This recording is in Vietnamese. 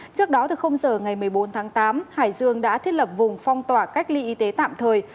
trước đó từ giờ ngày một mươi bốn tháng tám hải dương đã thiết lập vùng phong tỏa cách ly y tế tạm thời